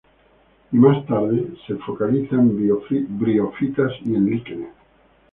Y más tarde se focaliza en briofitas y en líquenes.